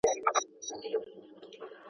له خلکو سره راشه درشه وکړئ.